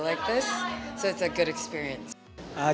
jadi ini adalah pengalaman yang bagus